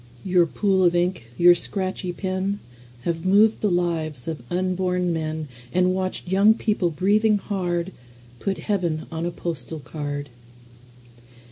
Your pool of ink, your scratchy pen, Have moved the lives of unborn men, And watched young people, breathing hard, Put Heaven on a postal card.